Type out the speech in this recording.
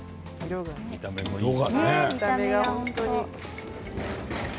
見た目も本当に。